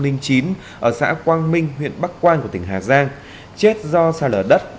nguyễn thị thanh huyện bắc quang của tỉnh hà giang chết do xa lở đất